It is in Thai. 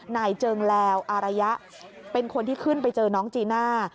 เจิงแลวอารยะเป็นคนที่ขึ้นไปเจอน้องจีน่า